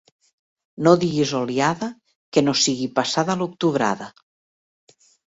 No diguis oliada que no sigui passada l'octubrada.